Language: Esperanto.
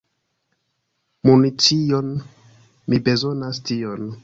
Municion! Mi bezonas tion.